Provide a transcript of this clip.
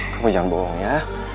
kamu jangan bohong ya